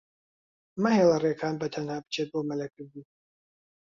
مەهێڵە ڕێکان بەتەنها بچێت بۆ مەلەکردن.